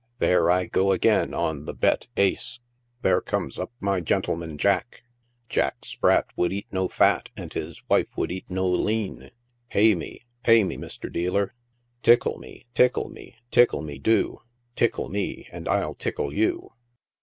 There I go again on the bet aee." " There comes up my gentleman Jack. Jack Spratt would eat no fat, and his wife would eat no lean. Pay me ! pay me, Mr. Dealer." i: Tickle me, tickle me, tickle me, do ; tickle me, and I'll tickle you."